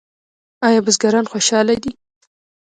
آیا بزګران خوشحاله دي؟